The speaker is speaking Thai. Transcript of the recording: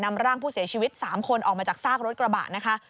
นำร่างผู้เสียชีวิต๓คนออกมาจากซากรถกระบะนะคะ